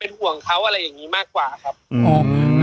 ห่วงเขาอะไรอย่างนี้มากกว่าครับผม